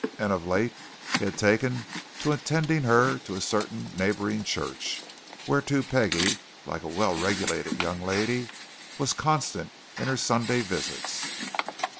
And of late he had taken to attending her to a certain neighbouring church, whereto Peggie, like a well regulated young lady, was constant in her Sunday visits.